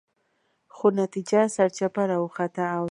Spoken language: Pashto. خو نتیجه سرچپه راوخته او توقعات پوره نه شول.